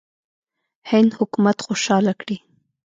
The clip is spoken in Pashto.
هند حکومت خوشاله کړي.